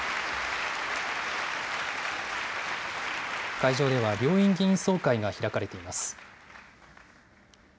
会場では、両院議員総会が開かれています。